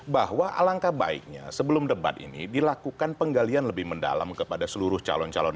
bahwa alangkah baiknya sebelum debat ini dilakukan penggalian lebih mendalam kepada seluruh calon calon